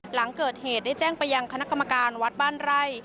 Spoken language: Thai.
หลังเกิดเหตุได้แจ้งไปยังคณะกรรมการวัดบ้านไร่